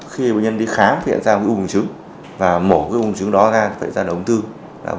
khi bệnh nhân đi khám phát hiện ra ung thư buồng trứng và mổ cái ung thư buồng trứng đó ra